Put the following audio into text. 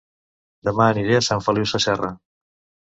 Dema aniré a Sant Feliu Sasserra